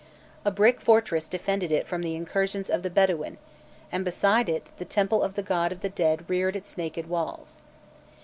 A brick fortress defended it from the incursions of the Bedouin, and beside it the temple of the god of the dead reared its naked walls.